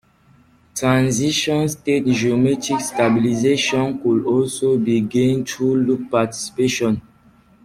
Transition-state geometric stabilization could also be gained through loop participation.